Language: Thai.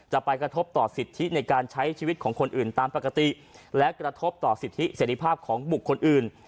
จะไปกระทบต่อสิทธิในการใช้ชีวิตของคนอื่นตามปกติและกระทบต่อสิทธิเสร็จภาพของบุคคลอื่น